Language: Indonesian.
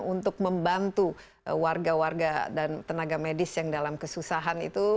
untuk membantu warga warga dan tenaga medis yang dalam kesusahan itu